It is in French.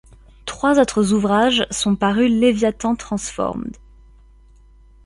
Trois autres ouvrages sont parus Leviathan Transformed.